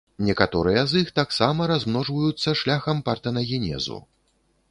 Некаторыя з іх таксама размножваюцца шляхам партэнагенезу.